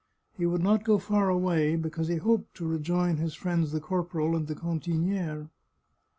He would not go far away, because he hoped to rejoin his friends the corporal and the cantini^re.